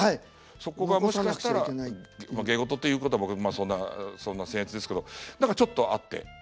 そこがもしかしたら芸事ということはそんなせん越ですけど何かちょっとあって。